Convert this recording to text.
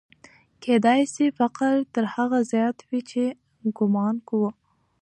کېدای سي فقر تر هغه زیات وي چې ګومان کوو.